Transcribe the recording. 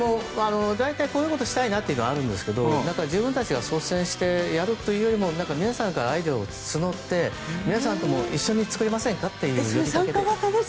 大体こういうことしたいなというのはあるんですが自分たちが率先してやるというよりも皆さんからアイデアを募って皆さんと一緒に作りませんかという呼びかけで。